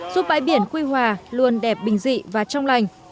giúp bãi biển quy hòa luôn đẹp bình dị và trong lành